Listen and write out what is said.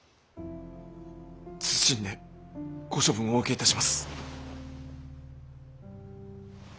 謹んでご処分お受けいたします。